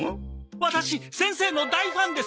ワタシ先生の大ファンです！